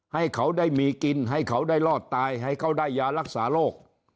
ให้เขาได้มีกินให้เขาได้รอดตายให้เขาได้ยารักษาโรค